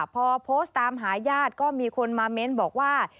พอโพสต์ตามหาญาติก็มีคนมาเม้นบอกว่า